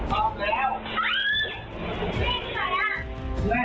โปรเบอร์